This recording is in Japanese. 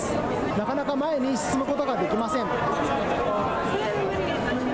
なかなか前に進むことができません。